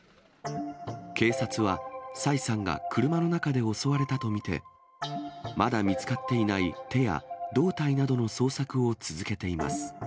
警察は、蔡さんが車の中で襲われたと見て、まだ見つかっていない手や胴体などの捜索を続けています。